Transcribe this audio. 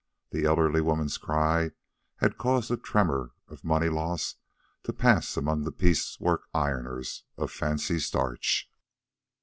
The elderly woman's cry had caused a tremor of money loss to pass among the piece work ironers of fancy starch.